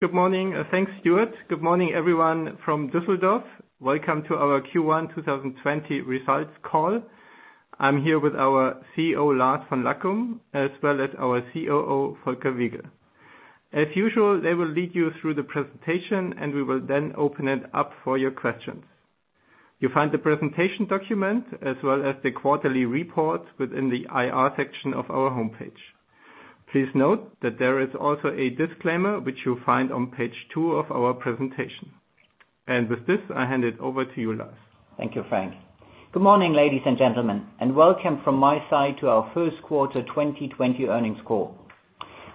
Good morning. Thanks, Stuart. Good morning everyone from Düsseldorf. Welcome to our Q1 2020 results call. I'm here with our CEO, Lars von Lackum, as well as our COO, Volker Wiegel. As usual, they will lead you through the presentation, and we will then open it up for your questions. You find the presentation document as well as the quarterly report within the IR section of our homepage. Please note that there is also a disclaimer which you'll find on page two of our presentation. With this, I hand it over to you, Lars. Thank you, Frank. Good morning, ladies and gentlemen, and welcome from my side to our first quarter 2020 earnings call.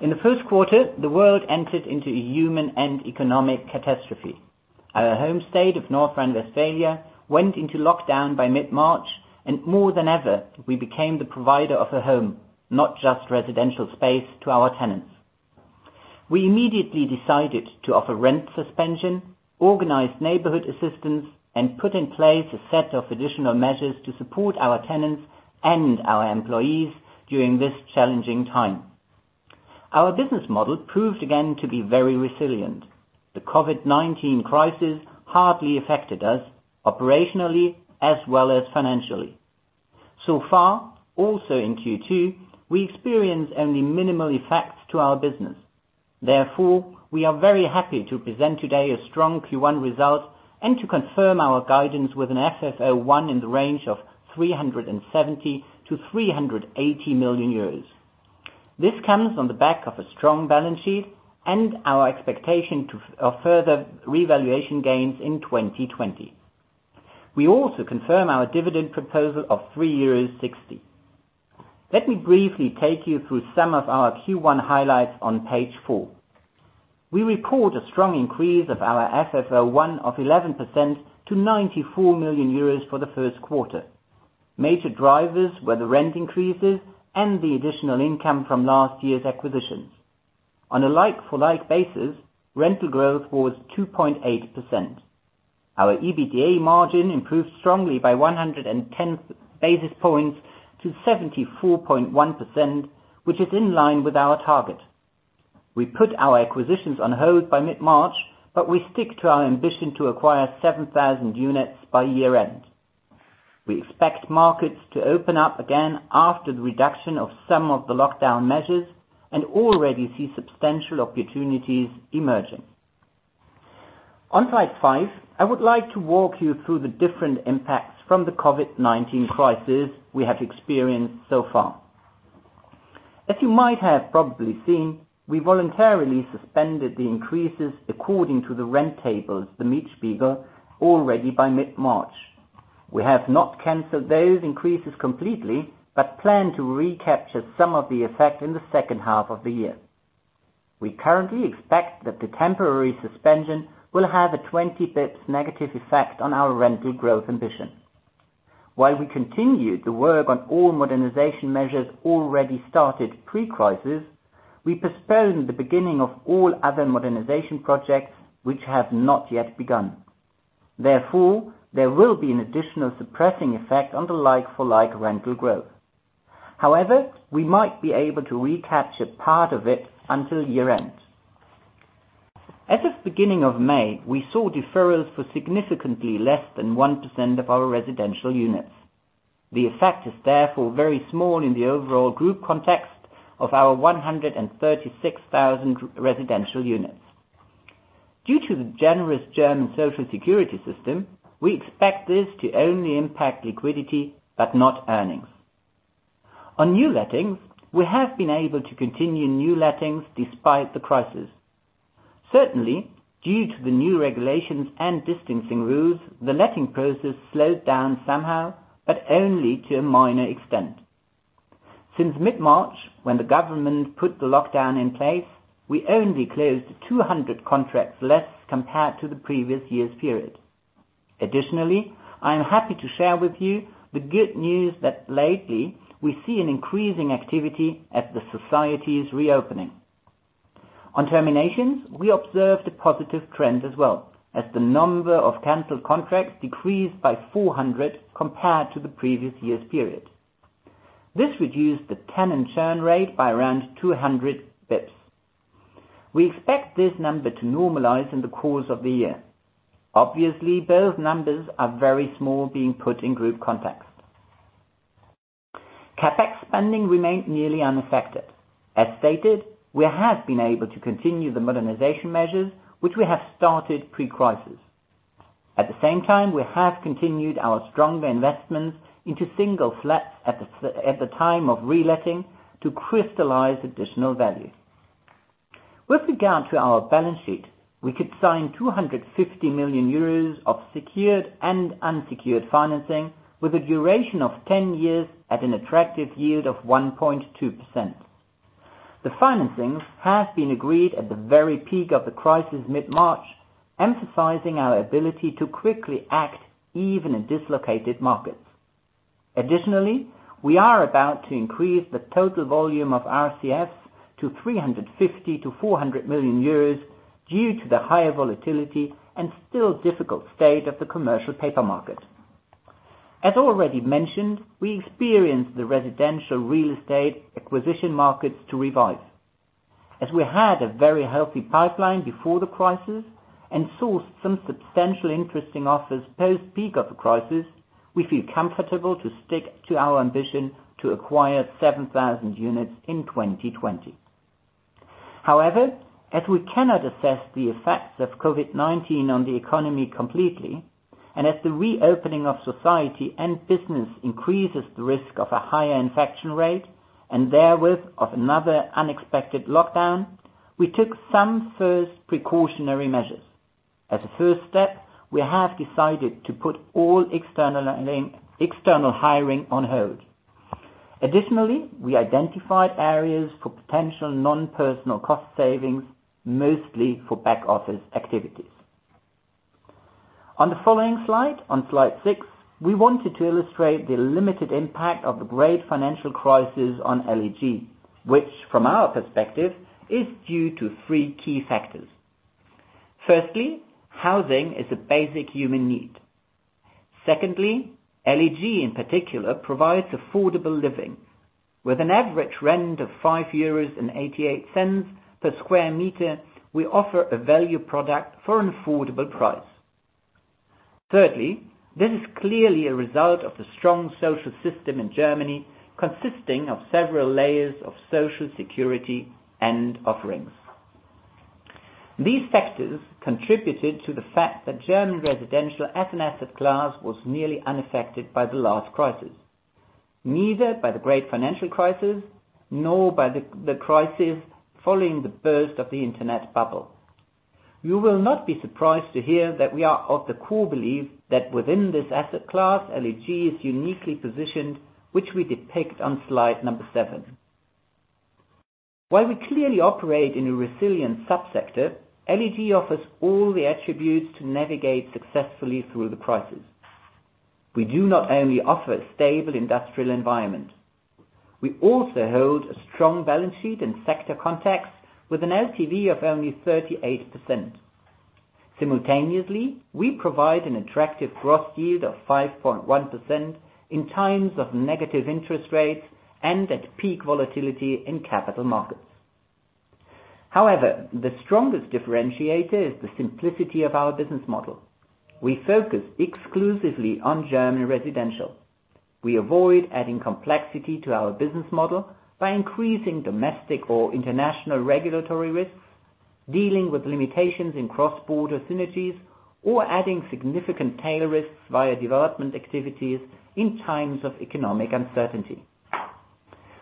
In the first quarter, the world entered into a human and economic catastrophe. Our home state of North Rhine-Westphalia went into lockdown by mid-March, and more than ever, we became the provider of a home, not just residential space to our tenants. We immediately decided to offer rent suspension, organize neighborhood assistance, and put in place a set of additional measures to support our tenants and our employees during this challenging time. Our business model proved again to be very resilient. The COVID-19 crisis hardly affected us operationally as well as financially. So far, also in Q2, we experienced only minimal effects to our business. Therefore, we are very happy to present today a strong Q1 result and to confirm our guidance with an FFO1 in the range of 370 million-380 million euros. This comes on the back of a strong balance sheet and our expectation of further revaluation gains in 2020. We also confirm our dividend proposal of 3.60 euros. Let me briefly take you through some of our Q1 highlights on page four. We report a strong increase of our FFO1 of 11% to 94 million euros for the first quarter. Major drivers were the rent increases and the additional income from last year's acquisitions. On a like-for-like basis, rental growth was 2.8%. Our EBITDA margin improved strongly by 110 basis points to 74.1%, which is in line with our target. We put our acquisitions on hold by mid-March, but we stick to our ambition to acquire 7,000 units by year end. We expect markets to open up again after the reduction of some of the lockdown measures and already see substantial opportunities emerging. On slide five, I would like to walk you through the different impacts from the COVID-19 crisis we have experienced so far. As you might have probably seen, we voluntarily suspended the increases according to the rent tables, the Mietspiegel, already by mid-March. We have not canceled those increases completely, but plan to recapture some of the effect in the second half of the year. We currently expect that the temporary suspension will have a 20 basis points negative effect on our rental growth ambition. While we continued to work on all modernization measures already started pre-crisis, we postponed the beginning of all other modernization projects which have not yet begun. There will be an additional suppressing effect on the like-for-like rental growth. We might be able to recapture part of it until year end. As of beginning of May, we saw deferrals for significantly less than 1% of our residential units. The effect is therefore very small in the overall group context of our 136,000 residential units. Due to the generous German Social Security system, we expect this to only impact liquidity but not earnings. On new lettings, we have been able to continue new lettings despite the crisis. Certainly, due to the new regulations and distancing rules, the letting process slowed down somehow, but only to a minor extent. Since mid-March, when the government put the lockdown in place, we only closed 200 contracts less compared to the previous year's period. Additionally, I am happy to share with you the good news that lately, we see an increasing activity as the society is reopening. On terminations, we observed a positive trend as well as the number of canceled contracts decreased by 400 compared to the previous year's period. This reduced the tenant churn rate by around 200 basis points. We expect this number to normalize in the course of the year. Obviously, both numbers are very small being put in group context. CapEx spending remained nearly unaffected. As stated, we have been able to continue the modernization measures which we have started pre-crisis. At the same time, we have continued our strong investments into single flats at the time of reletting to crystallize additional value. With regard to our balance sheet, we could sign 250 million euros of secured and unsecured financing with a duration of 10 years at an attractive yield of 1.2%. The financings have been agreed at the very peak of the crisis mid-March, emphasizing our ability to quickly act even in dislocated markets. Additionally, we are about to increase the total volume of RCFs to 350 million-400 million euros due to the higher volatility and still difficult state of the commercial paper market. As already mentioned, we experienced the residential real estate acquisition markets to revive. As we had a very healthy pipeline before the crisis and sourced some substantial interesting offers post peak of the crisis, we feel comfortable to stick to our ambition to acquire 7,000 units in 2020. However, as we cannot assess the effects of COVID-19 on the economy completely, and as the reopening of society and business increases the risk of a higher infection rate, and therewith, of another unexpected lockdown, we took some first precautionary measures. As a first step, we have decided to put all external hiring on hold. Additionally, we identified areas for potential non-personal cost savings, mostly for back office activities. On the following slide, on slide six, we wanted to illustrate the limited impact of the great financial crisis on LEG, which from our perspective is due to three key factors. Firstly, housing is a basic human need. Secondly, LEG in particular provides affordable living. With an average rent of 5.88 euros per sq m, we offer a value product for an affordable price. Thirdly, this is clearly a result of the strong social system in Germany, consisting of several layers of social security and offerings. These factors contributed to the fact that German residential as an asset class, was nearly unaffected by the last crisis, neither by the great financial crisis, nor by the crisis following the burst of the internet bubble. You will not be surprised to hear that we are of the core belief that within this asset class, LEG is uniquely positioned, which we depict on slide number seven. While we clearly operate in a resilient sub-sector, LEG offers all the attributes to navigate successfully through the crisis. We do not only offer a stable industrial environment. We also hold a strong balance sheet and sector context with an LTV of only 38%. Simultaneously, we provide an attractive gross yield of 5.1% in times of negative interest rates and at peak volatility in capital markets. The strongest differentiator is the simplicity of our business model. We focus exclusively on German residential. We avoid adding complexity to our business model by increasing domestic or international regulatory risks, dealing with limitations in cross-border synergies, or adding significant tail risks via development activities in times of economic uncertainty.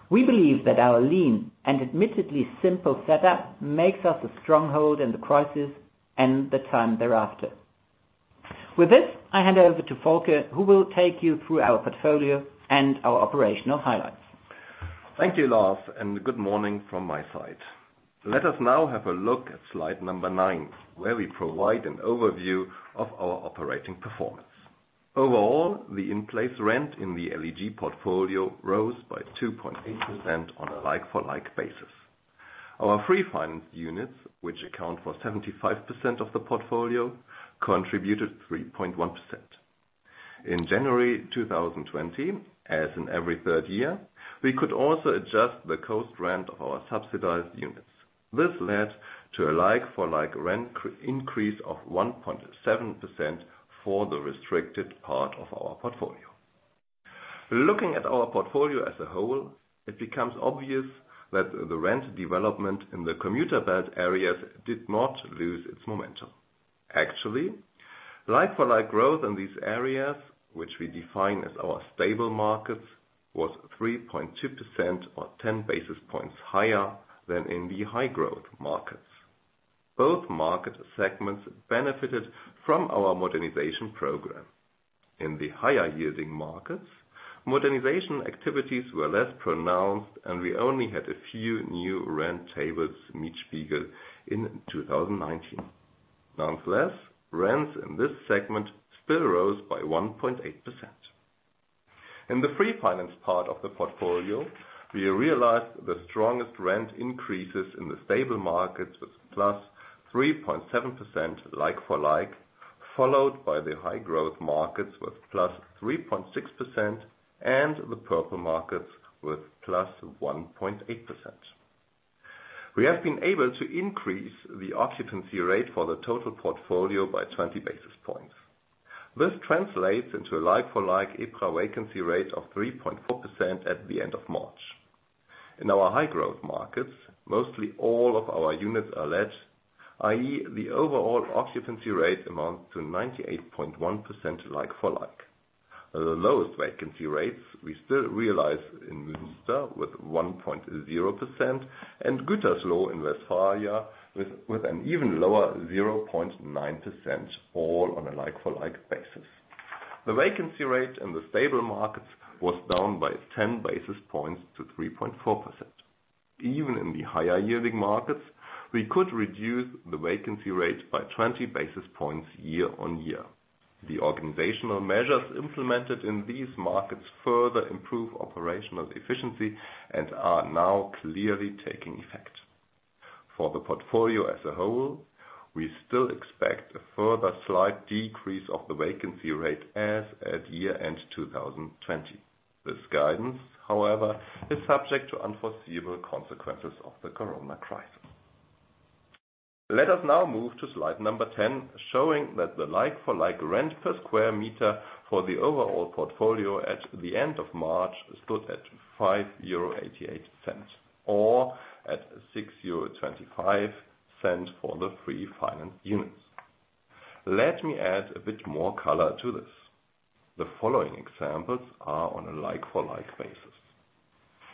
We believe that our lean and admittedly simple setup makes us a stronghold in the crisis and the time thereafter. With this, I hand over to Volker, who will take you through our portfolio and our operational highlights. Thank you, Lars, and good morning from my side. Let us now have a look at slide number nine, where we provide an overview of our operating performance. Overall, the in-place rent in the LEG portfolio rose by 2.8% on a like-for-like basis. Our free-financed units, which account for 75% of the portfolio, contributed 3.1%. In January 2020, as in every third year, we could also adjust the cost rent of our subsidized units. This led to a like-for-like rent increase of 1.7% for the restricted part of our portfolio. Looking at our portfolio as a whole, it becomes obvious that the rent development in the commuter belt areas did not lose its momentum. Like-for-like growth in these areas, which we define as our stable markets, was 3.2% or 10 basis points higher than in the high-growth markets. Both market segments benefited from our modernization program. In the higher yielding markets, modernization activities were less pronounced and we only had a few new rent tables, Mietspiegel, in 2019. Nonetheless, rents in this segment still rose by 1.8%. In the free finance part of the portfolio, we realized the strongest rent increases in the stable markets with +3.7% like-for-like, followed by the high-growth markets with +3.6% and the higher yielding markets with +1.8%. We have been able to increase the occupancy rate for the total portfolio by 20 basis points. This translates into a like-for-like EPRA vacancy rate of 3.4% at the end of March. In our high-growth markets, mostly all of our units are let, i.e., the overall occupancy rate amounts to 98.1% like-for-like. The lowest vacancy rates we still realize in Münster with 1.0% and Gütersloh in Westphalia with an even lower 0.9%, all on a like-for-like basis. The vacancy rate in the stable markets was down by 10 basis points to 3.4%. The vacancy rate by 20 basis points year on year could be reduced even in the higher yielding markets. The organizational measures implemented in these markets further improve operational efficiency and are now clearly taking effect. For the portfolio as a whole, we still expect a further slight decrease of the vacancy rate as at year end 2020. This guidance, however, is subject to unforeseeable consequences of the Corona crisis. Let us now move to slide number 10, showing that the like-for-like rent per square meter for the overall portfolio at the end of March stood at 5.88 euro, or at 6.25 euro for the free-financed units. Let me add a bit more color to this. The following examples are on a like-for-like basis.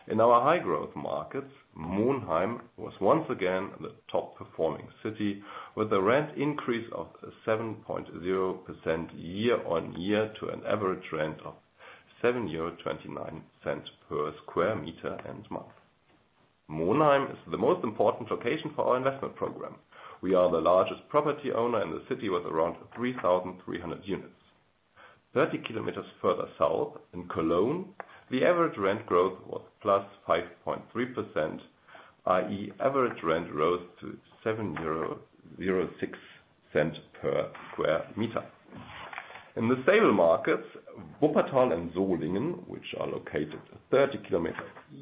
In our high growth markets, Monheim was once again the top performing city, with a rent increase of 7.0% year-on-year to an average rent of 7.29 euro per sq m and month. Monheim is the most important location for our investment program. We are the largest property owner in the city, with around 3,300 units, 30 km further south, in Cologne, the average rent growth was +5.3%, i.e. average rent rose to 7.06 euros per sq m. In the stable markets, Wuppertal and Solingen, which are located 30 km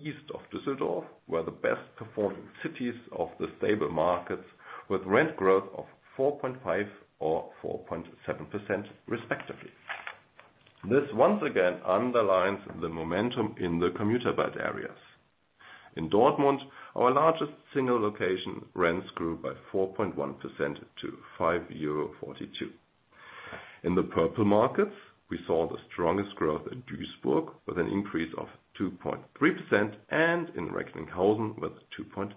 east of Düsseldorf, were the best performing cities of the stable markets, with rent growth of 4.5% or 4.7% respectively. This once again underlines the momentum in the commuter belt areas. In Dortmund, our largest single location rents grew by 4.1% to EUR 5.42. In the purple markets, we saw the strongest growth in Duisburg with an increase of 2.3%, and in Recklinghausen with 2.6%.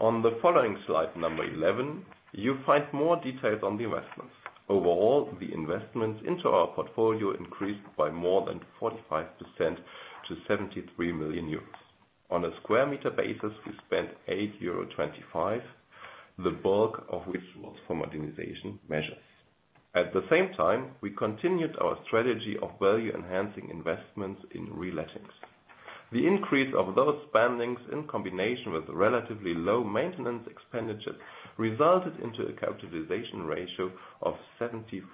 On the following slide number 11, you find more details on the investments. Overall, the investments into our portfolio increased by more than 45% to 73 million euros. On a square meter basis, we spent 8.25 euros, the bulk of which was for modernization measures. At the same time, we continued our strategy of value enhancing investments in relettings. The increase of those spendings in combination with relatively low maintenance expenditures, resulted into a capitalization ratio of 74.6%.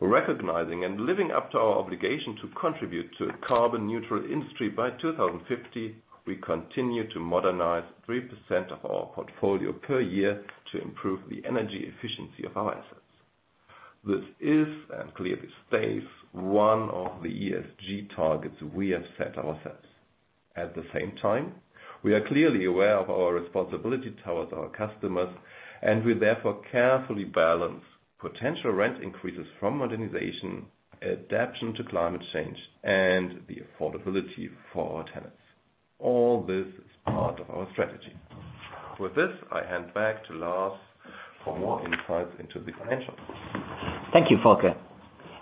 Recognizing and living up to our obligation to contribute to a carbon neutral industry by 2050, we continue to modernize 3% of our portfolio per year to improve the energy efficiency of our assets. This is, and clearly stays, one of the ESG targets we have set ourselves. At the same time, we are clearly aware of our responsibility towards our customers. We therefore carefully balance potential rent increases from modernization, adaptation to climate change, and the affordability for our tenants. All this is part of our strategy. With this, I hand back to Lars for more insights into the financials. Thank you, Volker.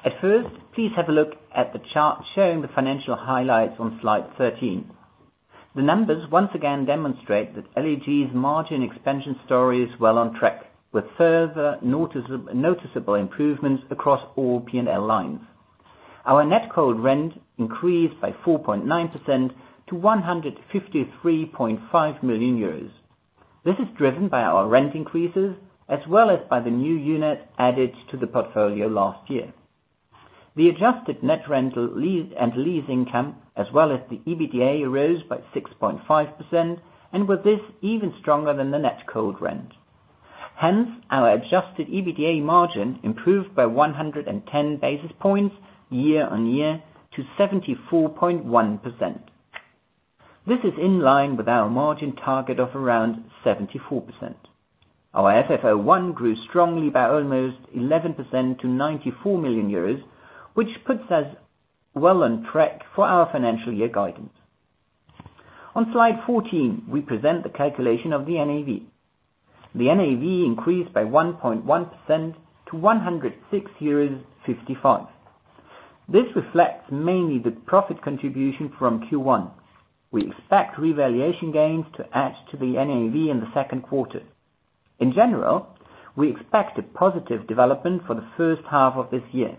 At first, please have a look at the chart showing the financial highlights on slide 13. The numbers once again demonstrate that LEG's margin expansion story is well on track, with further noticeable improvements across all P&L lines. Our net cold rent increased by 4.9% to 153.5 million euros. This is driven by our rent increases, as well as by the new unit added to the portfolio last year. The adjusted net rental and leasing income, as well as the EBITDA, rose by 6.5% and with this, even stronger than the net cold rent. Hence, our adjusted EBITDA margin improved by 110 basis points year-on-year to 74.1%. This is in line with our margin target of around 74%. Our FFO1 grew strongly by almost 11% to 94 million euros, which puts us well on track for our financial year guidance. On slide 14, we present the calculation of the NAV. The NAV increased by 1.1% to 106.55 euros. This reflects mainly the profit contribution from Q1. We expect revaluation gains to add to the NAV in the second quarter. In general, we expect a positive development for the first half of this year.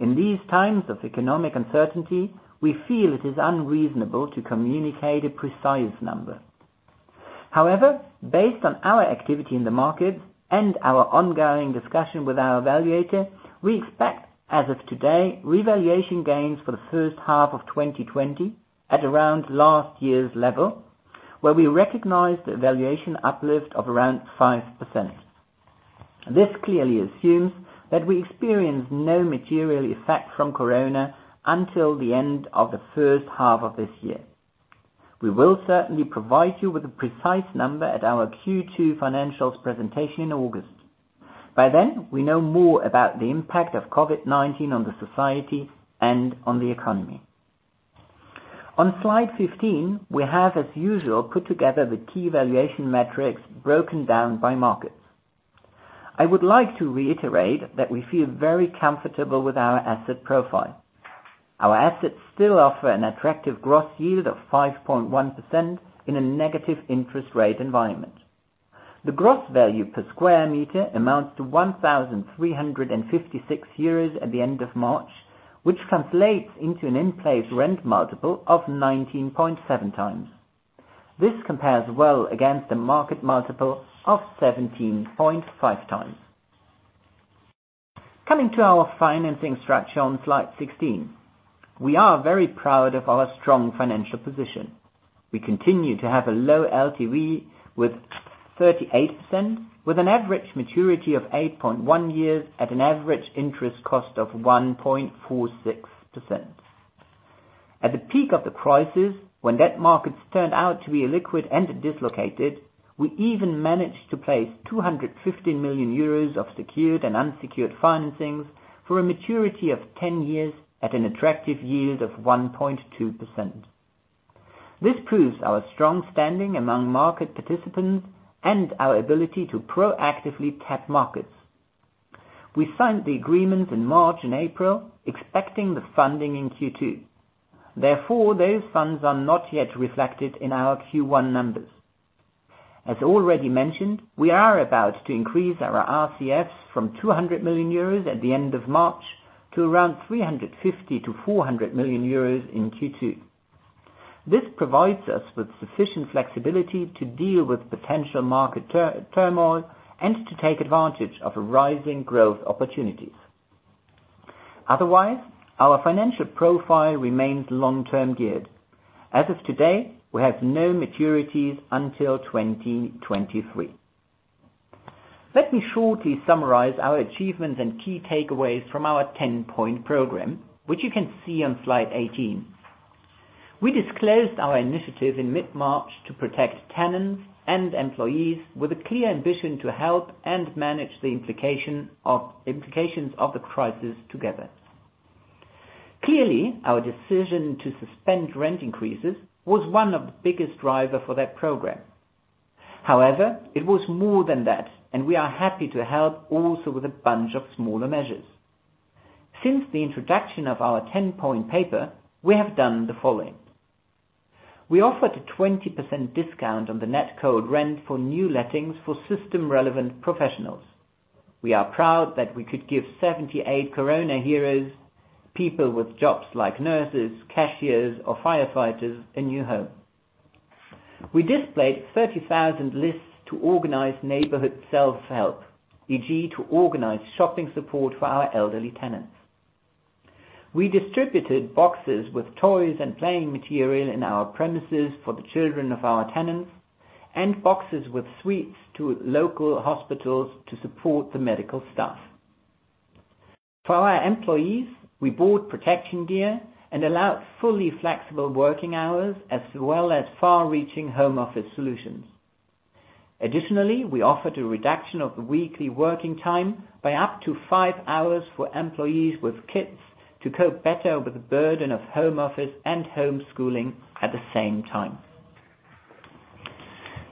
In these times of economic uncertainty, we feel it is unreasonable to communicate a precise number. Based on our activity in the markets and our ongoing discussion with our evaluator, we expect, as of today, revaluation gains for the first half of 2020 at around last year's level, where we recognize the valuation uplift of around 5%. This clearly assumes that we experience no material effect from Corona until the end of the first half of this year. We will certainly provide you with a precise number at our Q2 financials presentation in August. We know more about the impact of COVID-19 on the society and on the economy. On slide 15, we have, as usual, put together the key valuation metrics broken down by markets. I would like to reiterate that we feel very comfortable with our asset profile. Our assets still offer an attractive gross yield of 5.1% in a negative interest rate environment. The gross value per square meter amounts to 1,356 euros at the end of March, which translates into an in place rent multiple of 19.7x. This compares well against the market multiple of 17.5x. Coming to our financing structure on slide 16. We are very proud of our strong financial position. We continue to have a low LTV with 38%, with an average maturity of 8.1 years at an average interest cost of 1.46%. At the peak of the crisis, when debt markets turned out to be illiquid and dislocated, we even managed to place 250 million euros of secured and unsecured financings for a maturity of 10 years at an attractive yield of 1.2%. This proves our strong standing among market participants and our ability to proactively tap markets. We signed the agreement in March and April, expecting the funding in Q2. Those funds are not yet reflected in our Q1 numbers. As already mentioned, we are about to increase our RCFs from 200 million euros at the end of March to around 350 million-400 million euros in Q2. This provides us with sufficient flexibility to deal with potential market turmoil and to take advantage of rising growth opportunities. Our financial profile remains long-term geared. As of today, we have no maturities until 2023. Let me shortly summarize our achievements and key takeaways from our 10-Point Program, which you can see on slide 18. We disclosed our initiative in mid-March to protect tenants and employees with a clear ambition to help and manage the implications of the crisis together. Clearly, our decision to suspend rent increases was one of the biggest driver for that program. It was more than that, and we are happy to help also with a bunch of smaller measures. Since the introduction of our 10-Point Paper, we have done the following. We offered a 20% discount on the net cold rent for new lettings for system relevant professionals. We are proud that we could give 78 Corona heroes, people with jobs like nurses, cashiers or firefighters, a new home. We displayed 30,000 lists to organize neighborhood self-help, e.g., to organize shopping support for our elderly tenants. We distributed boxes with toys and playing material in our premises for the children of our tenants, and boxes with sweets to local hospitals to support the medical staff. For our employees, we bought protection gear and allowed fully flexible working hours as well as far-reaching home office solutions. Additionally, we offered a reduction of the weekly working time by up to five hours for employees with kids to cope better with the burden of home office and homeschooling at the same time.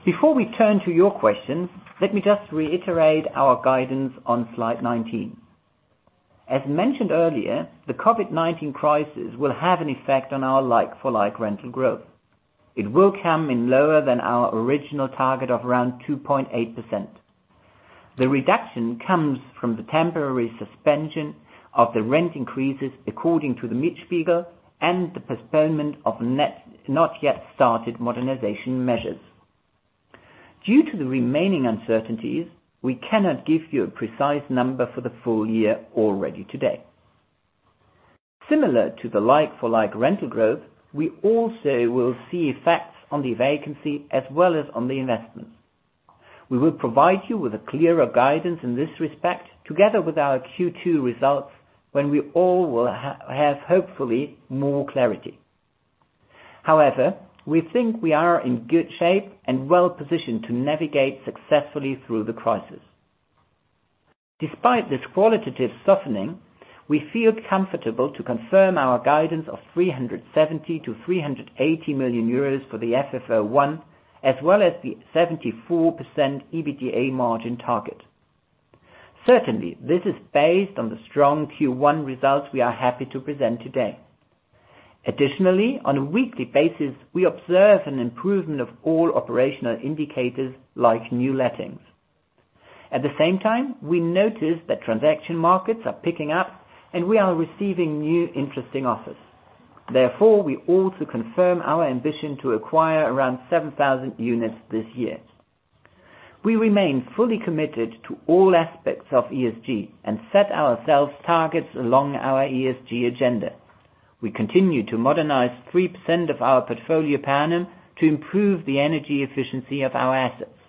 Before we turn to your questions, let me just reiterate our guidance on slide 19. As mentioned earlier, the COVID-19 crisis will have an effect on our like-for-like rental growth. It will come in lower than our original target of around 2.8%. The reduction comes from the temporary suspension of the rent increases according to the Mietspiegel and the postponement of not yet started modernization measures. Due to the remaining uncertainties, we cannot give you a precise number for the full year already today. Similar to the like-for-like rental growth, we also will see effects on the vacancy as well as on the investments. We will provide you with a clearer guidance in this respect together with our Q2 results when we all will have, hopefully, more clarity. However, we think we are in good shape and well-positioned to navigate successfully through the crisis. Despite this qualitative softening, we feel comfortable to confirm our guidance of 370 million-380 million euros for the FFO1, as well as the 74% EBITDA margin target. Certainly, this is based on the strong Q1 results we are happy to present today. Additionally, on a weekly basis, we observe an improvement of all operational indicators like new lettings. We notice that transaction markets are picking up and we are receiving new interesting offers. We also confirm our ambition to acquire around 7,000 units this year. We remain fully committed to all aspects of ESG and set ourselves targets along our ESG agenda. We continue to modernize 3% of our portfolio per annum to improve the energy efficiency of our assets.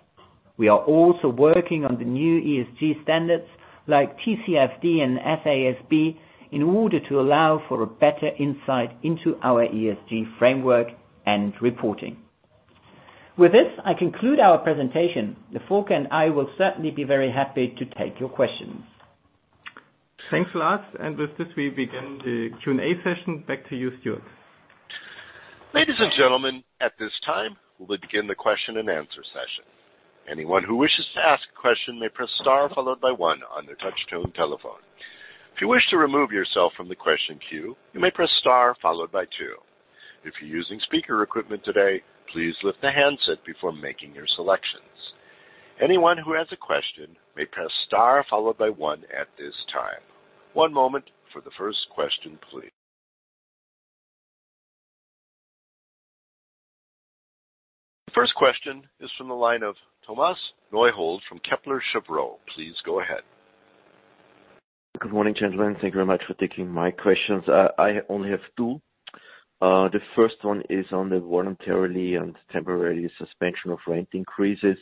We are also working on the new ESG standards like TCFD and SASB in order to allow for a better insight into our ESG framework and reporting. I conclude our presentation. Volker and I will certainly be very happy to take your questions. Thanks, Lars. With this, we begin the Q&A session. Back to you, Stuart. Ladies and gentlemen, at this time, we will begin the question and answer session. Anyone who wishes to ask a question may press star followed by one. If you wish to remove yourself from the question queue, you may press star followed by two. If you're using speaker equipment today, please lift the handset before making your selections. Anyone who has a question may press star followed by one at this time. One moment for the first question, please. First question is from the line of Thomas Neuhold from Kepler Cheuvreux. Please go ahead. Good morning, gentlemen. Thank you very much for taking my questions. I only have two. The first one is on the voluntarily and temporarily suspension of rent increases.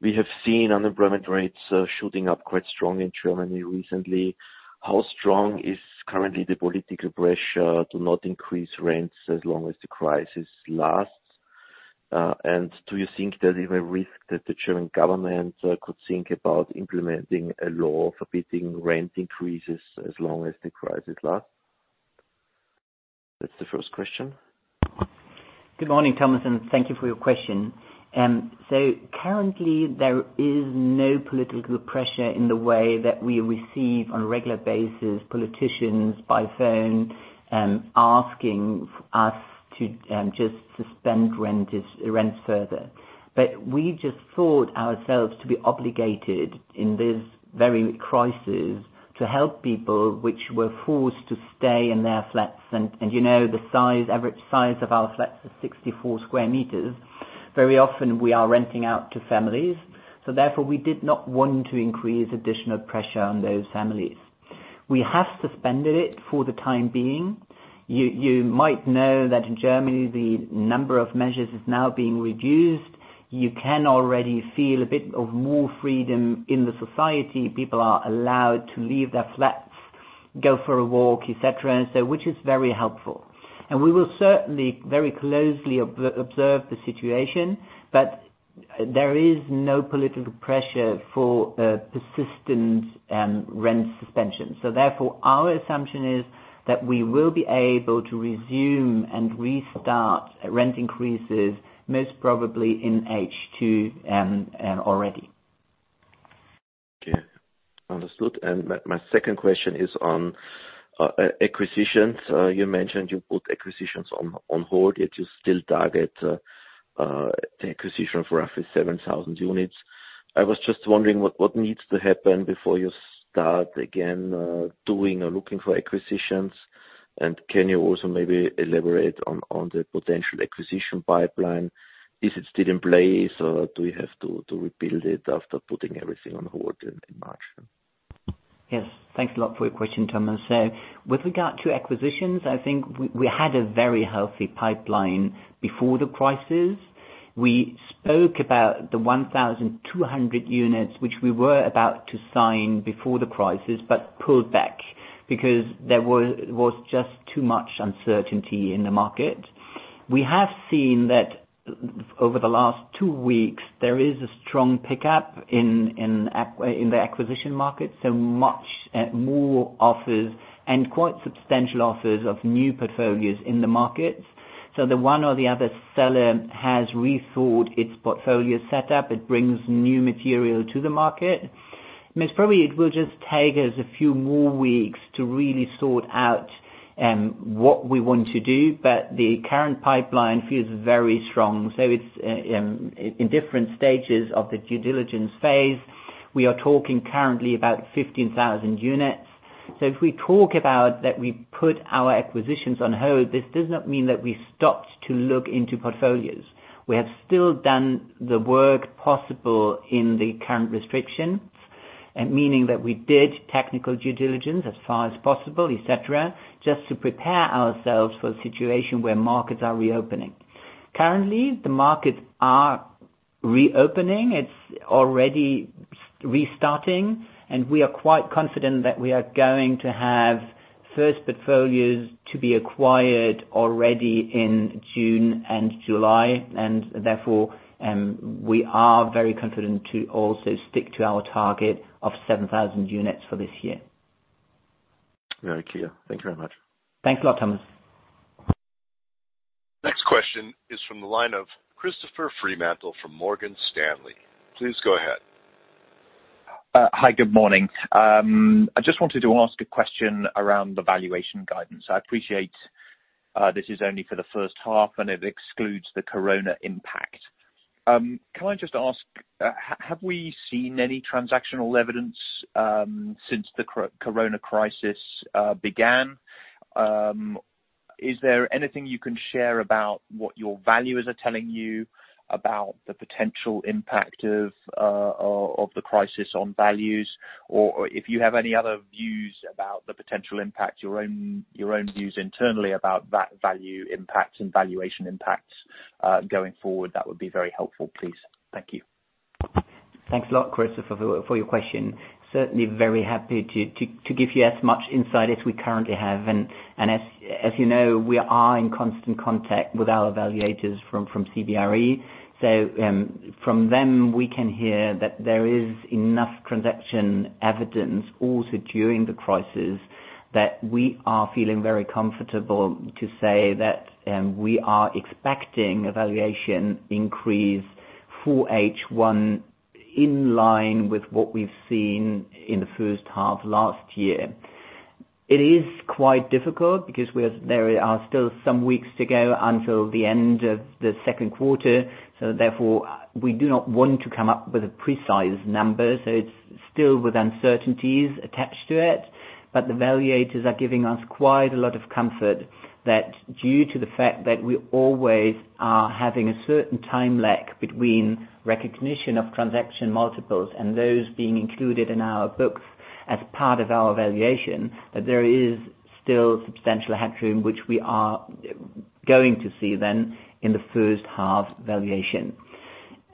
We have seen unemployment rates shooting up quite strong in Germany recently. How strong is currently the political pressure to not increase rents as long as the crisis lasts? Do you think there is a risk that the German government could think about implementing a law forbidding rent increases as long as the crisis lasts? That's the first question. Good morning, Thomas, thank you for your question. Currently, there is no political pressure in the way that we receive on a regular basis, politicians by phone, asking us to just suspend rents further. We just thought ourselves to be obligated in this very crisis to help people which were forced to stay in their flats. The average size of our flats is 64 sq m. Very often, we are renting out to families, we did not want to increase additional pressure on those families. We have suspended it for the time being. You might know that in Germany, the number of measures is now being reduced. You can already feel a bit of more freedom in the society. People are allowed to leave their flats, go for a walk, et cetera, which is very helpful. We will certainly very closely observe the situation, but there is no political pressure for a persistent rent suspension. Therefore, our assumption is that we will be able to resume and restart rent increases most probably in H2 already. My second question is on acquisitions. You mentioned you put acquisitions on hold, yet you still target the acquisition for roughly 7,000 units. I was just wondering what needs to happen before you start again doing or looking for acquisitions, and can you also maybe elaborate on the potential acquisition pipeline? Is it still in place, or do you have to rebuild it after putting everything on hold in March? Yes. Thanks a lot for your question, Thomas. With regard to acquisitions, I think we had a very healthy pipeline before the crisis. We spoke about the 1,200 units, which we were about to sign before the crisis, but pulled back because there was just too much uncertainty in the market. We have seen that over the last two weeks, there is a strong pickup in the acquisition market, so much more offers and quite substantial offers of new portfolios in the market. The one or the other seller has rethought its portfolio setup. It brings new material to the market. Most probably, it will just take us a few more weeks to really sort out what we want to do, but the current pipeline feels very strong. It's in different stages of the due diligence phase. We are talking currently about 15,000 units. If we talk about that we put our acquisitions on hold, this does not mean that we stopped to look into portfolios. We have still done the work possible in the current restrictions, meaning that we did technical due diligence as far as possible, et cetera, just to prepare ourselves for the situation where markets are reopening. Currently, the markets are reopening. It's already restarting, and we are quite confident that we are going to have first portfolios to be acquired already in June and July, and therefore, we are very confident to also stick to our target of 7,000 units for this year. Very clear. Thank you very much. Thanks a lot, Thomas. Next question is from the line of Christopher Fremantle from Morgan Stanley. Please go ahead. Hi. Good morning. I just wanted to ask a question around the valuation guidance. I appreciate this is only for the first half, and it excludes the corona impact. Can I just ask, have we seen any transactional evidence since the corona crisis began? Is there anything you can share about what your valuers are telling you about the potential impact of the crisis on values? If you have any other views about the potential impact, your own views internally about that value impact and valuation impacts going forward, that would be very helpful, please. Thank you. Thanks a lot, Christopher, for your question. Certainly very happy to give you as much insight as we currently have. As you know, we are in constant contact with our evaluators from CBRE. From them, we can hear that there is enough transaction evidence also during the crisis, that we are feeling very comfortable to say that we are expecting a valuation increase for H1 in line with what we've seen in the first half last year. It is quite difficult because there are still some weeks to go until the end of the second quarter, so therefore, we do not want to come up with a precise number. It's still with uncertainties attached to it, but the valuators are giving us quite a lot of comfort that due to the fact that we always are having a certain time lag between recognition of transaction multiples and those being included in our books as part of our valuation, that there is still substantial headroom, which we are going to see then in the first half valuation.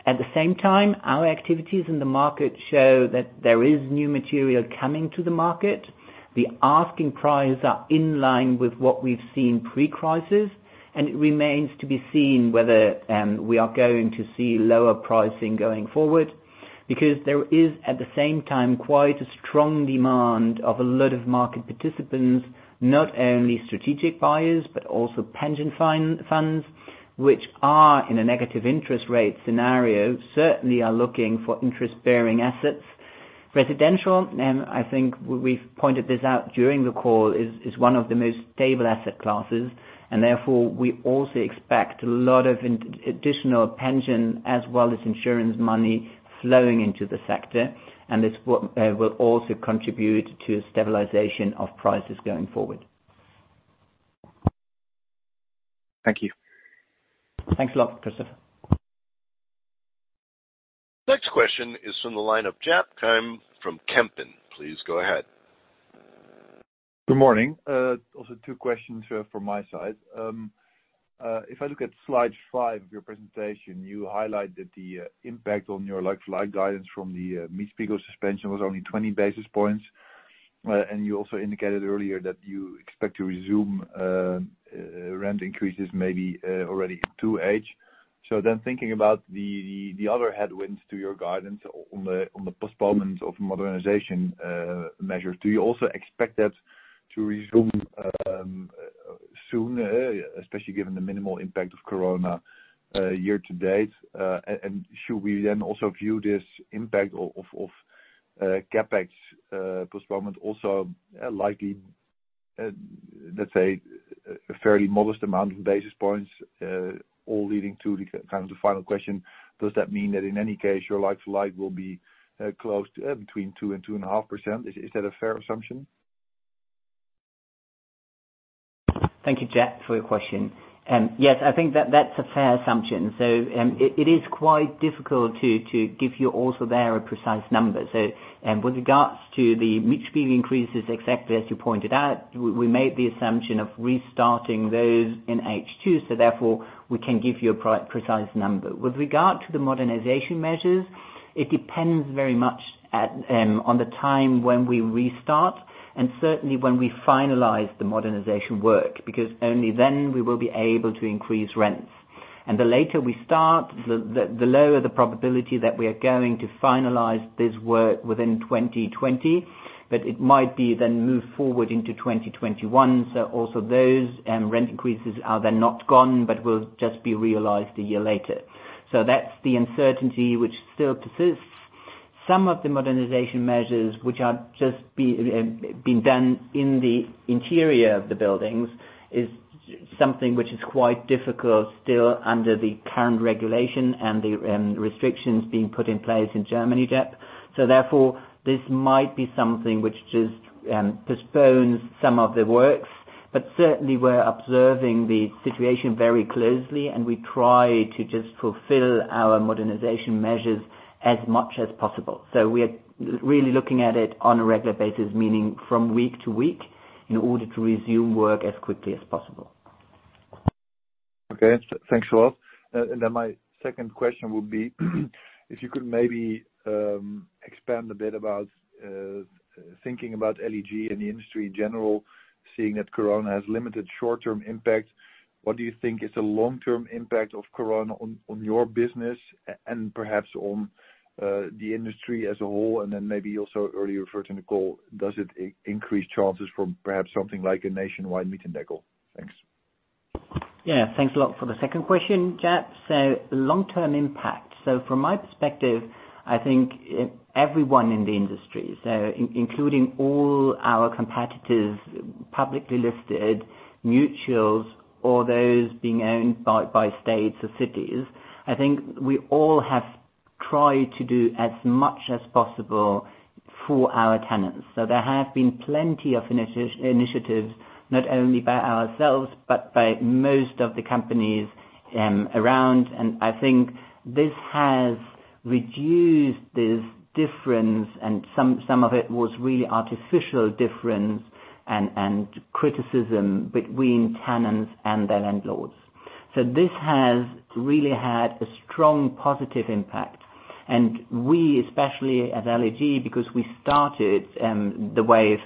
At the same time, our activities in the market show that there is new material coming to the market. The asking prices are in line with what we've seen pre-crisis, and it remains to be seen whether we are going to see lower pricing going forward because there is, at the same time, quite a strong demand of a lot of market participants, not only strategic buyers, but also pension funds, which are in a negative interest rate scenario, certainly are looking for interest-bearing assets. Residential, and I think we've pointed this out during the call, is one of the most stable asset classes, and therefore, we also expect a lot of additional pension as well as insurance money flowing into the sector, and this will also contribute to stabilization of prices going forward. Thank you. Thanks a lot, Christopher. Next question is from the line of Jaap Kiemen from Kempen. Please go ahead. Good morning. Two questions from my side. If I look at slide five of your presentation, you highlight that the impact on your like-for-like guidance from the Mietspiegel suspension was only 20 basis points, and you also indicated earlier that you expect to resume rent increases maybe already in 2H. Thinking about the other headwinds to your guidance on the postponement of modernization measures, do you also expect that to resume soon, especially given the minimal impact of Corona year to date? Should we then also view this impact of CapEx postponement also likely, let's say, a fairly modest amount of basis points all leading to the final question, does that mean that in any case, your like-for-like will be close to between 2% and 2.5%? Is that a fair assumption? Thank you, Jaap, for your question. Yes, I think that's a fair assumption. It is quite difficult to give you also there a precise number. With regards to the Mietspiegel increases, exactly as you pointed out, we made the assumption of restarting those in H2, therefore, we can give you a precise number. With regard to the modernization measures, it depends very much on the time when we restart, and certainly when we finalize the modernization work, because only then we will be able to increase rents. The later we start, the lower the probability that we are going to finalize this work within 2020, but it might be then moved forward into 2021. Also those rent increases are then not gone, but will just be realized a year later. That's the uncertainty which still persists. Some of the modernization measures which are just being done in the interior of the buildings is something which is quite difficult still under the current regulation and the restrictions being put in place in Germany, Jaap. Therefore, this might be something which just postpones some of the works. Certainly, we're observing the situation very closely, and we try to just fulfill our modernization measures as much as possible. We are really looking at it on a regular basis, meaning from week to week, in order to resume work as quickly as possible. Okay. Thanks for that. My second question would be if you could maybe expand a bit about thinking about LEG and the industry in general, seeing that Corona has limited short-term impact. What do you think is the long-term impact of Corona on your business and perhaps on the industry as a whole? Maybe you also earlier referred in the call, does it increase chances for perhaps something like a nationwide Mietendeckel? Thanks. Thanks a lot for the second question, Jaap. Long-term impact. From my perspective, I think everyone in the industry, so including all our competitors, publicly listed, mutuals, or those being owned by states or cities, I think we all have tried to do as much as possible for our tenants. There have been plenty of initiatives, not only by ourselves, but by most of the companies around. I think this has reduced this difference, and some of it was really artificial difference and criticism between tenants and their landlords. This has really had a strong positive impact. We, especially at LEG, because we started the wave,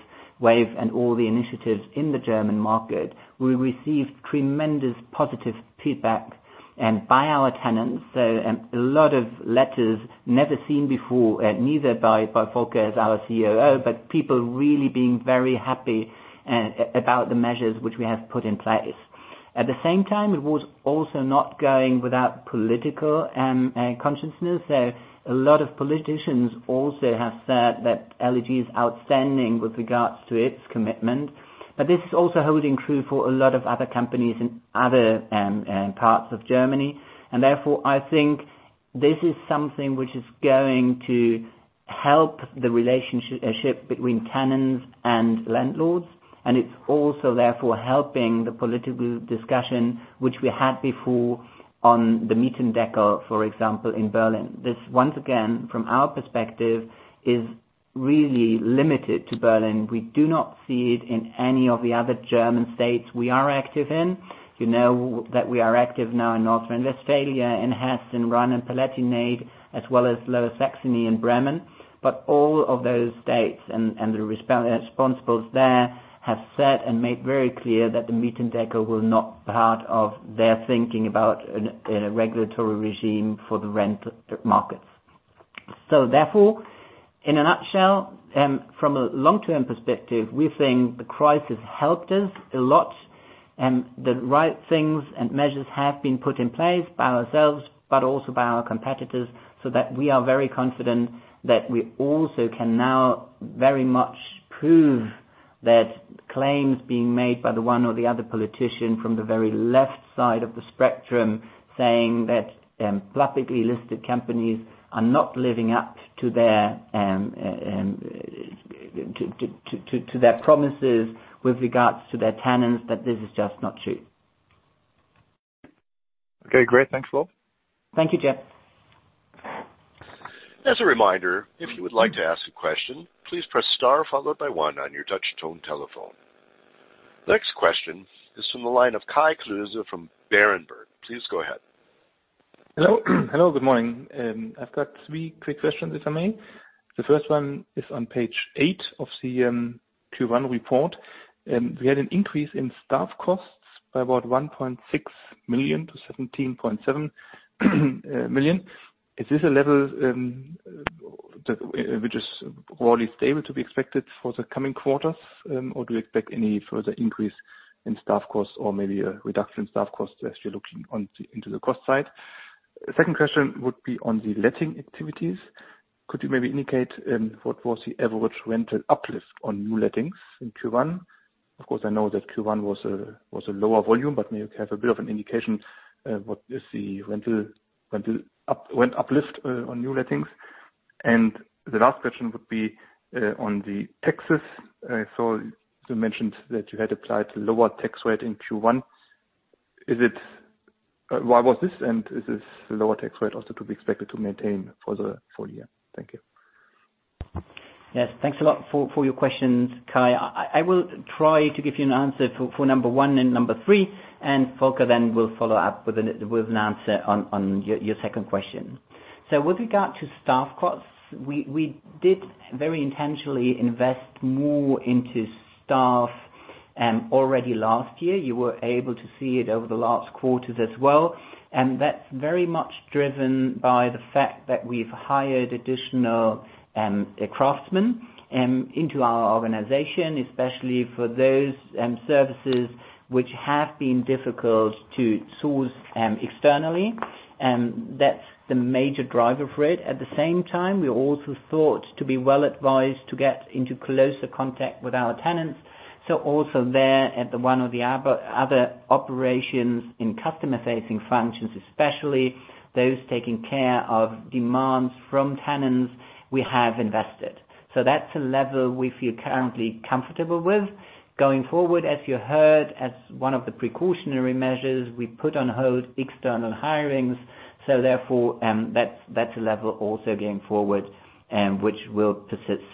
and all the initiatives in the German market, we received tremendous positive feedback, and by our tenants, a lot of letters never seen before, neither by Volker as our COO, but people really being very happy about the measures which we have put in place. At the same time, it was also not going without political consciousness. A lot of politicians also have said that LEG is outstanding with regards to its commitment. This is also holding true for a lot of other companies in other parts of Germany. Therefore, I think this is something which is going to help the relationship between tenants and landlords, and it's also therefore helping the political discussion which we had before on the Mietendeckel, for example, in Berlin. This, once again, from our perspective, is really limited to Berlin. We do not see it in any of the other German states we are active in. You know that we are active now in North Rhine-Westphalia, in Hesse, and Rhineland-Palatinate, as well as Lower Saxony and Bremen. All of those states and the responsables there have said and made very clear that the Mietendeckel was not part of their thinking about a regulatory regime for the rent markets. Therefore, in a nutshell, from a long-term perspective, we think the crisis helped us a lot. The right things and measures have been put in place by ourselves, but also by our competitors, so that we are very confident that we also can now very much prove that claims being made by the one or the other politician from the very left side of the spectrum, saying that publicly listed companies are not living up to their promises with regards to their tenants, that this is just not true. Okay, great. Thanks, Lars. Thank you, Jaap. As a reminder, if you would like to ask a question, please press star followed by one on your touch tone telephone. Next question is from the line of Kai Klose from Berenberg. Please go ahead. Hello, good morning. I have got three quick questions, if I may. The first one is on page eight of the Q1 report. We had an increase in staff costs by about 1.6 million to 17.7 million. Is this a level which is broadly stable to be expected for the coming quarters? Do you expect any further increase in staff costs or maybe a reduction in staff costs as you are looking into the cost side? Second question would be on the letting activities. Could you maybe indicate what was the average rental uplift on new lettings in Q1? Of course, I know that Q1 was a lower volume, but may have a bit of an indication what is the rental uplift on new lettings. The last question would be on the taxes. I saw you mentioned that you had applied lower tax rate in Q1. Why was this? Is this lower tax rate also to be expected to maintain for the full year? Thank you. Yes, thanks a lot for your questions, Kai. I will try to give you an answer for number one and number three, Volker then will follow up with an answer on your second question. With regard to staff costs, we did very intentionally invest more into staff already last year. You were able to see it over the last quarters as well. That's very much driven by the fact that we've hired additional craftsmen into our organization, especially for those services which have been difficult to source externally. That's the major driver for it. At the same time, we also thought to be well advised to get into closer contact with our tenants. Also there at the one of the other operations in customer-facing functions, especially those taking care of demands from tenants, we have invested. That's a level we feel currently comfortable with. Going forward, as you heard, as one of the precautionary measures, we put on hold external hirings. Therefore, that's a level also going forward, which will persist.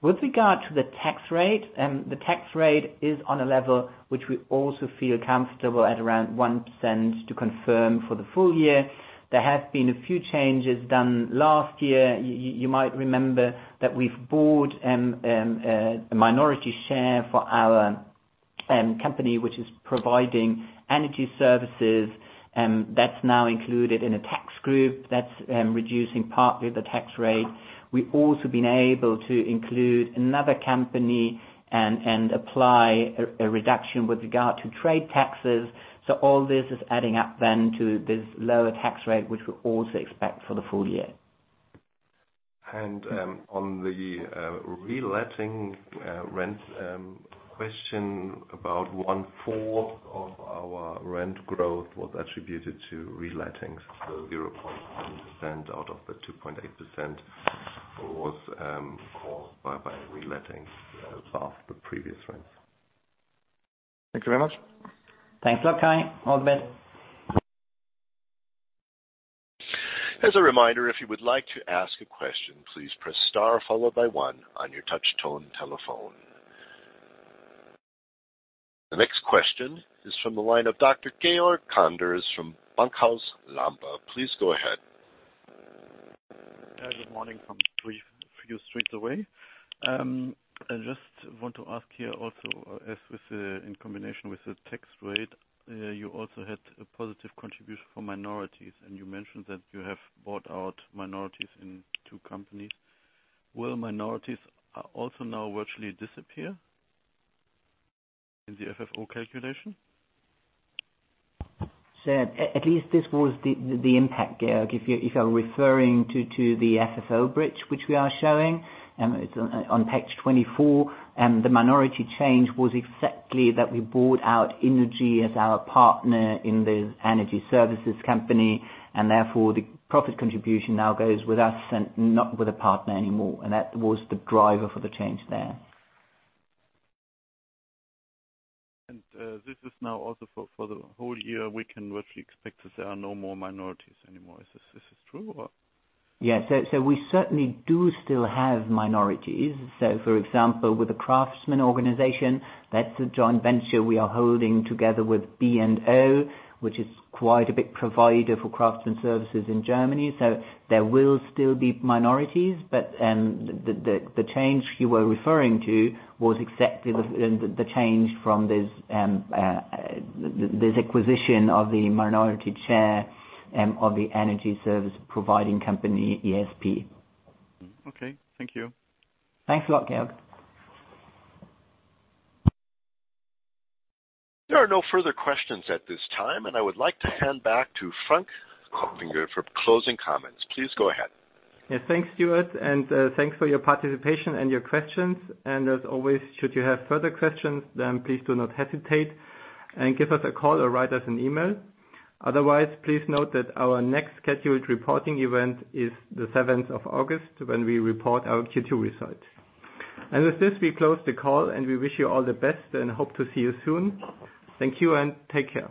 With regard to the tax rate, the tax rate is on a level which we also feel comfortable at around 1% to confirm for the full year. There have been a few changes done last year. You might remember that we've bought a minority share for our company, which is providing energy services. That's now included in a tax group. That's reducing partly the tax rate. We've also been able to include another company and apply a reduction with regard to trade taxes. All this is adding up then to this lower tax rate, which we also expect for the full year. On the reletting rent question, about 1/4 of our rent growth was attributed to relettings, 0.7% out of the 2.8% was caused by relettings of the previous rents. Thank you very much. Thanks a lot, Kai. All the best. As a reminder, if you would like to ask a question, please press star followed by one on your touch tone telephone. The next question is from the line of Dr. Georg Kanders from Bankhaus Lampe. Please go ahead. Good morning from a few streets away. I just want to ask here also, in combination with the tax rate, you also had a positive contribution from minorities, and you mentioned that you have bought out minorities in two companies. Will minorities also now virtually disappear in the FFO calculation? At least this was the impact, Georg, if you're referring to the FFO bridge, which we are showing on page 24. The minority change was exactly that we bought out Innogy as our partner in the energy services company, and therefore the profit contribution now goes with us and not with a partner anymore. That was the driver for the change there. This is now also for the whole year, we can virtually expect that there are no more minorities anymore. Is this true? We certainly do still have minorities. For example, with the craftsman organization, that's a joint venture we are holding together with B&O, which is quite a big provider for craftsman services in Germany. There will still be minorities, but the change you were referring to was exactly the change from this acquisition of the minority share of the energy service providing company, ESP. Okay. Thank you. Thanks a lot, Georg. There are no further questions at this time. I would like to hand back to Frank Kopfinger for closing comments. Please go ahead. Yeah. Thanks, Stuart, and thanks for your participation and your questions. As always, should you have further questions, please do not hesitate and give us a call or write us an email. Otherwise, please note that our next scheduled reporting event is the 7th of August, when we report our Q2 results. With this, we close the call and we wish you all the best and hope to see you soon. Thank you and take care.